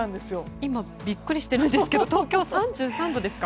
今ビックリしているんですが東京、３３度ですか。